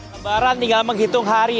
lebaran tinggal menghitung hari